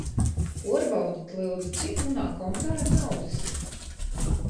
Puorbaudit, lyudzu, cik munā kontā ir naudys!